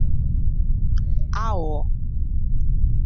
aghụghọ